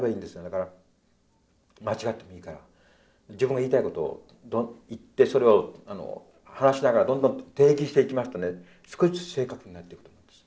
だから間違ってもいいから自分が言いたいことを言ってそれを話しながらどんどん定義していきますとね少しずつ正確になっていくと思うんです。